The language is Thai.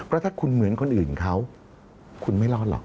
ก็ถ้าคุณเหมือนคนอื่นเขาคุณไม่รอดหรอก